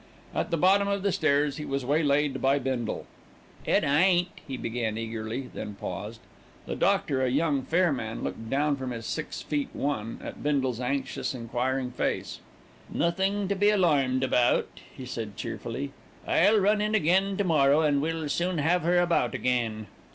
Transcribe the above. At the bottom of the stairs, he was waylaid by Bindle. "It ain't " he began eagerly, then paused. The doctor, a young, fair man, looked down from his six feet one, at Bindle's anxious enquiring face. "Nothing to be alarmed about," he said cheerfully. "I'll run in again to morrow, and we'll soon have her about again."